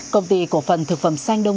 công ty cổ phần thực phẩm xanh đường